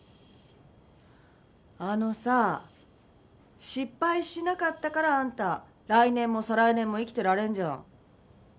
あのさ失敗しなかったからあんた来年も再来年も生きてられるんじゃん。